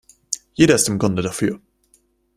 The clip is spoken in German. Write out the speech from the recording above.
Jeder ist im Grunde dafür.